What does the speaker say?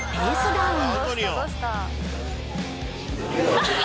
ダウン